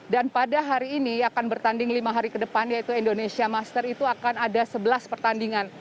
dan pada hari ini akan bertanding lima hari ke depan yaitu indonesia master itu akan ada sebelas pertandingan